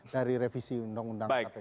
dari revisi undang undang kpk